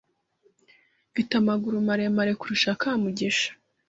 Mfite amaguru maremare kurusha Kamugisha.